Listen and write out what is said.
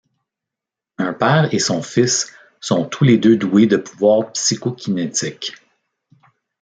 Un père et son fils sont tous les deux doués de pouvoirs psychokinétiques.